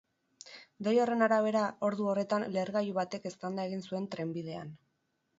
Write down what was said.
Dei horren arabera, ordu horretan lehergailu batek eztanda egingo zuen trenbidean.